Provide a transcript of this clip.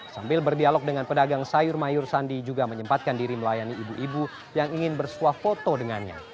sambil berdialog dengan pedagang sayur mayur sandi juga menyempatkan diri melayani ibu ibu yang ingin bersuah foto dengannya